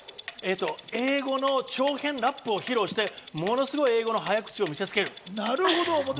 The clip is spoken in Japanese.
英語の長編ラップを披露して、ものすごい英語の早口を見せ付ける。